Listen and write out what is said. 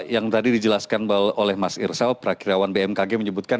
yang tadi dijelaskan oleh mas irsal prakirawan bmkg menyebutkan